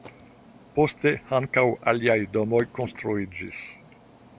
Poste ankaŭ aliaj domoj konstruiĝis.